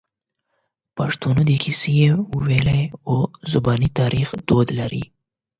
پښتانه د کیسې ویلو او زباني تاریخ دود لري.